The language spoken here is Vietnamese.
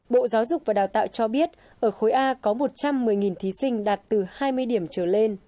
bộ giáo dục và đào tạo cho biết ở khối a có một trăm một mươi thí sinh đạt từ hai mươi điểm trở lên hai trăm bốn mươi ba thí sinh đạt từ một mươi năm điểm trở lên